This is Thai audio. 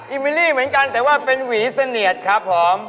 มิลี่เหมือนกันแต่ว่าเป็นหวีเสนียดครับผม